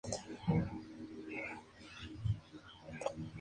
Su clima es frío, y los cultivos principales, maiz y trigo.